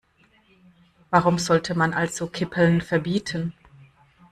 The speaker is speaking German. Warum sollte man also Kippeln verbieten?